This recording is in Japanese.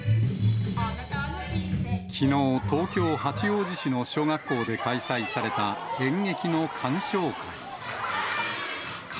きのう、東京・八王子市の小学校で開催された演劇の鑑賞会。